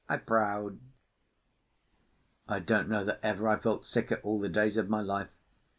I proud." I don't know that ever I felt sicker all the days of my life.